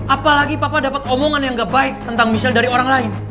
apalagi papa dapat omongan yang gak baik tentang misal dari orang lain